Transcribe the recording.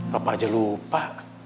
papa aja lupa